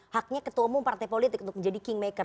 haknya ketua umum partai politik untuk menjadi kingmaker